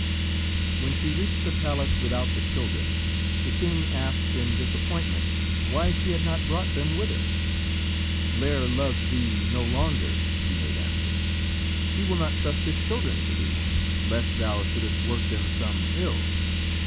When she reached the palace without the children, the king asked in disappointment why she had not brought them with her. "Lîr loves thee no longer," she made answer. "He will not trust his children to thee, lest thou shouldst work them some ill."